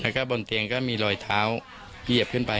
แล้วก็บนเตียงก็มีรอยเท้าเหยียบขึ้นไป